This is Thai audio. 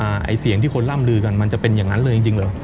ไอ้เสียงที่คนล่ำลือกันมันจะเป็นอย่างนั้นเลยจริงจริงเหรอ